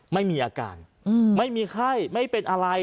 ไม่มีอาการไม่มีไข้ไม่เป็นอะไร